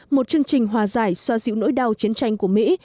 một chương trình hòa giải xoa dịu nỗi đau chiến tranh của mỹ